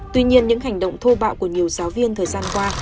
tuy nhiên những hành động thô bạo của nhiều giáo viên thời gian qua